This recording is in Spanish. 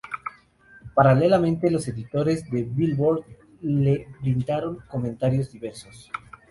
Paralelamente, los editores de "Billboard" le brindaron comentarios diversos.